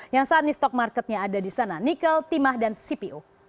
yang saat ini stock marketnya ada di sana nikel timah dan cpo